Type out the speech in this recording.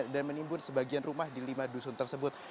dan menimbul sebagian rumah di lima dusun tersebut